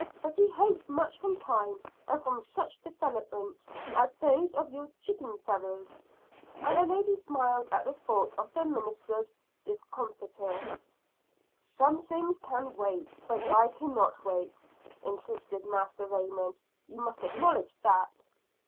But he hopes much from time, and from such developments as those of your chicken feathers" and the lady smiled at the thought of the minister's discomfiture. "Some things can wait, but I cannot wait," insisted Master Raymond. "You must acknowledge that."